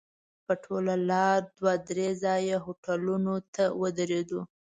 په ټوله لاره دوه درې ځایه هوټلونو ته ودرېدو.